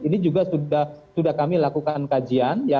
ini juga sudah kami lakukan kajian